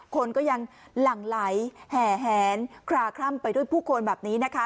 คนก็ยังหลั่งไหลแห่แหนคลาคล่ำไปด้วยผู้คนแบบนี้นะคะ